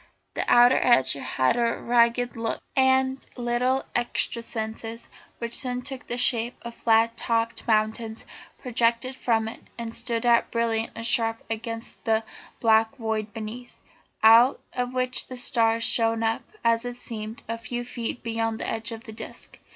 The outer edge had a ragged look, and little excrescences, which soon took the shape of flat topped mountains, projected from it and stood out bright and sharp against the black void beneath, out of which the stars shone up, as it seemed, a few feet beyond the edge of the disc.